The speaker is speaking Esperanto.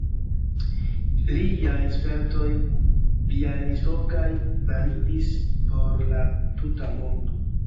liaj spertoj Bjalistokaj validis por la tuta mondo.